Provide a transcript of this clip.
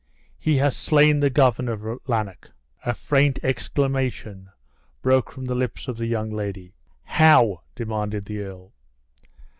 He has slain the Governor of Lanark." A faint exclamation broke from the lips of the young lady. "How?" demanded the earl.